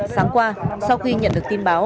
sáng qua sau khi nhận được tin báo